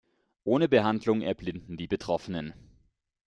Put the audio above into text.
Ohne Behandlung erblinden die Betroffenen.